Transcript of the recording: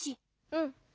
うん。